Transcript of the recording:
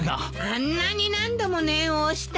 あんなに何度も念を押したのに。